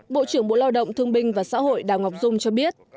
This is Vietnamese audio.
bộ trưởng bộ lao động thương binh và xã hội đào ngọc dung cho biết